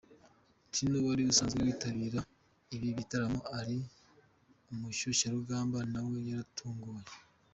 Tino wari usanzwe yitabira ibi bitaramo ari umushyushyarugamba nawe yaratunguwe.